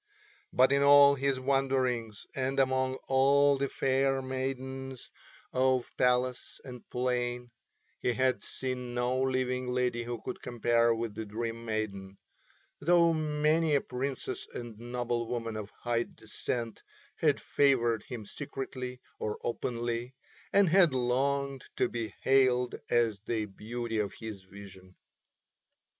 But in all his wanderings and among all the fair maidens of palace and plain, he had seen no living lady who could compare with the Dream Maiden; though many a Princess and noble woman of high descent had favoured him secretly or openly, and had longed to be hailed as the beauty of his vision.